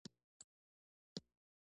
هیچا په بل ظلم نه کاوه.